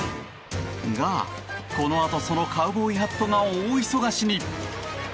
が、このあとそのカウボーイハットが大忙しに。